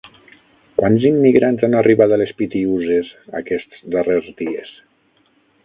Quants immigrants han arribat a les Pitiüses aquests darrers dies?